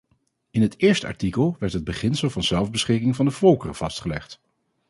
In het eerste artikel werd het beginsel van zelfbeschikking van de volkeren vastgelegd.